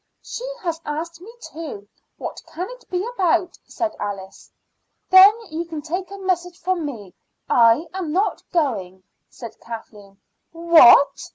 "She has asked me too. What can it be about?" said Alice. "Then you can take a message from me; I am not going," said Kathleen. "What?"